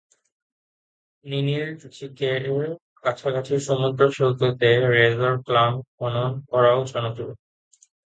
নিনিলচিকের কাছাকাছি সমুদ্র সৈকতে রেজর ক্লাম খনন করাও জনপ্রিয়।